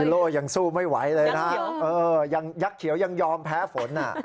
โล่ยังสู้ไม่ไหวเลยนะฮะยังยักษ์เขียวยังยอมแพ้ฝน